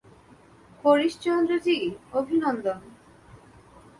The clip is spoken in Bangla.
হরিশচন্দ্র জি, অভিনন্দন।